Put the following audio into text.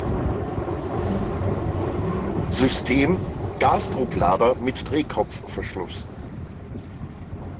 System: Gasdrucklader mit Drehkopfverschluss